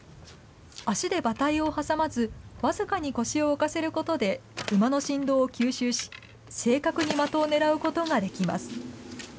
脚で馬体を挟まず、僅かに腰を浮かせることで、馬の振動を吸収し、正確に的をねらうことができます。